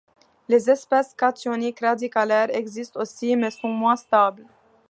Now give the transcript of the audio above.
Les espèces cationiques radicalaires existent aussi mais sont moins stables.